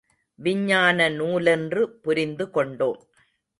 விஞ்ஞான நூலென்று புரிந்துகொண்டோம்.